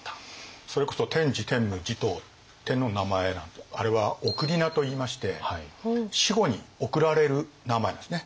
それこそ天智天武持統天皇の名前なんてあれは諡といいまして死後におくられる名前ですね。